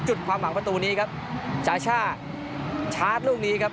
จุดความหวังประตูนี้ครับจาช่าชาร์จลูกนี้ครับ